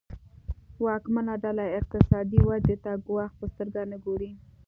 واکمنه ډله اقتصادي ودې ته ګواښ په سترګه نه ګوري.